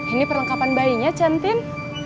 ini perlengkapan bayinya cantin